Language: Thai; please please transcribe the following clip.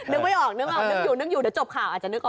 นึกไม่ออกนึกอยู่เดี๋ยวจบข่าวอาจจะนึกออก